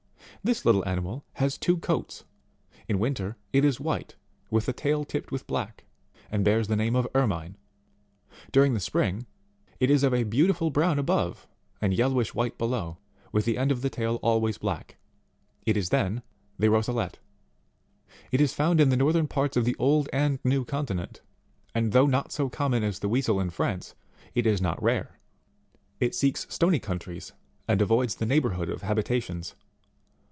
This little animal has two coats ; in winter, it is white with the tail tipped with black, and bears the name of Ermine ; during the spring, it is of a beau tiful brown above, and yellowish white below, with the end of the tail always black: it is then the Roselet. It is found in the northern parts both of 'the old and new continent ; and though not so common as the Weasel in France, it is not rare. It seeks stony countries, and avoids the neighbourhood of habitations.